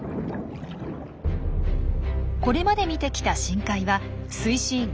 これまで見てきた深海は水深５００ｍまで。